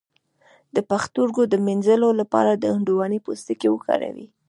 د پښتورګو د مینځلو لپاره د هندواڼې پوستکی وکاروئ